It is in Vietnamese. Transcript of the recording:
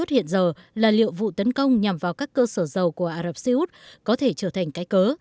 hiện giờ là liệu vụ tấn công nhằm vào các cơ sở dầu của ả rập xê út có thể trở thành cái cớ